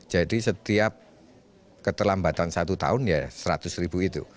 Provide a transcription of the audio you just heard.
setiap keterlambatan satu tahun ya seratus ribu itu